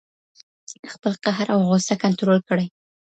خپل قهر او غوسه کنټرول کړئ.